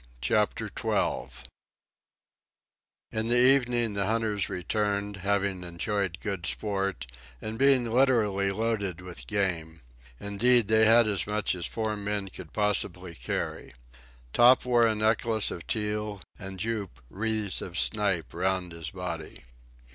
Chapter 12 In the evening the hunters returned, having enjoyed good sport, and being literally loaded with game; indeed, they had as much as four men could possibly carry. Top wore a necklace of teal and Jup wreaths of snipe round his body.